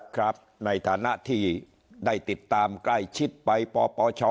ครับในฐานะที่ได้ติดตามใกล้ชิดไปปปช